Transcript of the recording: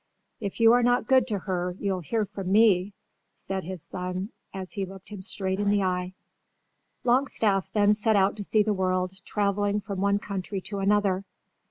"If you are not good to her you'll hear from me," said, his son as he looked him straight in the eye. Longstaff then set out to see the world, travelling from one country to another.